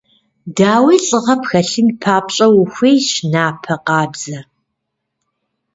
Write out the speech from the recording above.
Дауи, лӏыгъэ пхэлъын папщӏэ ухуейщ напэ къабзэ.